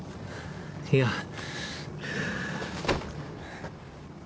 いや。